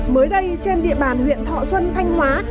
mới đây trên địa bàn huyện thọ xuân thanh hóa